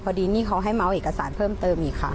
พอดีนี่เขาให้เมาส์เอกสารเพิ่มเติมอีกค่ะ